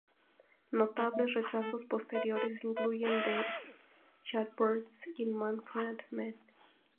Notables rechazos posteriores incluyen a The Yardbirds y Manfred Mann.